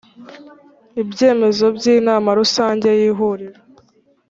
ibyemezo by Inama Rusange y lhuriro